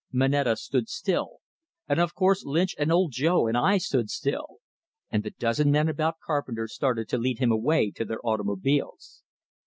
Moneta stood still; and of course Lynch and Old Joe and I stood still; and the dozen men about Carpenter started to lead him away to their automobiles.